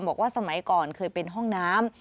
บอกว่าสมัยก่อนเคยเป็นห้องน้ำ